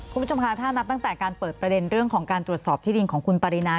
คุณผู้ชมคะถ้านับตั้งแต่การเปิดประเด็นเรื่องของการตรวจสอบที่ดินของคุณปรินา